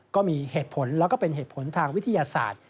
ก็มีเหตุผลแล้วก็เป็นเหตุผลทางวิทยาศาสตร์